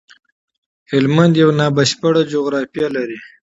هلمند یو پراته جغرافيه لري